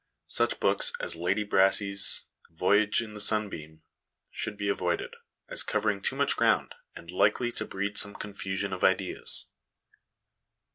Such books as Lady Brassey's Voyage in the ' Sunbeam ' should be avoided, as covering too much ground, and likely to breed some confusion of ideas.